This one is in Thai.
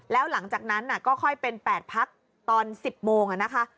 แล้วหลังจากนั้นก็ค่อยเป็น๘พักตอน๑๐โมงนะคะ